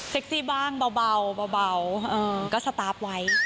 ซี่บ้างเบาก็สตาร์ฟไว้